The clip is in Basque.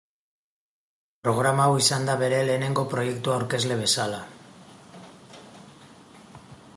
Programa hau izan da bere lehenengo proiektua aurkezle bezala.